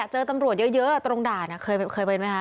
เจอตำรวจเยอะตรงด่านเคยเป็นไหมคะ